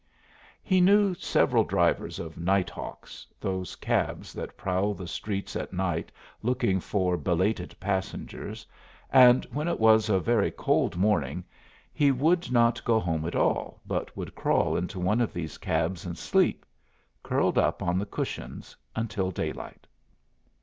He knew several drivers of "night hawks" those cabs that prowl the streets at night looking for belated passengers and when it was a very cold morning he would not go home at all, but would crawl into one of these cabs and sleep, curled up on the cushions, until daylight.